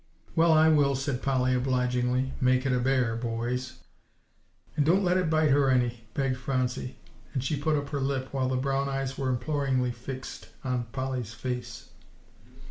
"Well, I will," said Polly obligingly, "make it a bear, boys." "And don't let it bite her any," begged Phronsie; and she put up her lip, while the brown eyes were imploringly fixed on Polly's face.